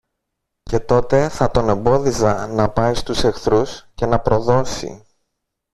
Και τότε θα τον εμπόδιζα να πάει στους εχθρούς και να προδώσει.